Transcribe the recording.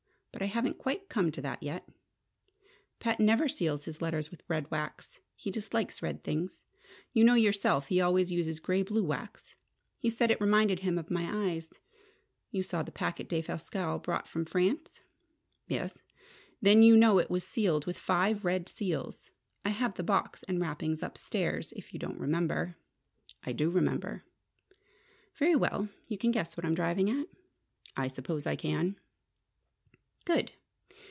But I haven't quite come to that yet! Pat never seals his letters with red wax. He dislikes red things: you know yourself he always uses grey blue wax. He said it reminded him of my eyes! You saw the packet Defasquelle brought from France?" "Yes." "Then you know it was sealed with five red seals. I have the box and wrappings upstairs, if you don't remember." "I do remember." "Very well. You can guess what I'm driving at?" "I suppose I can." "Good!